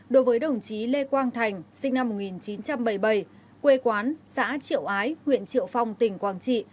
đối với đồng chí lê quang thành sinh năm một nghìn chín trăm bảy mươi bảy quê quán xã triệu ái huyện triệu phong tỉnh quảng trị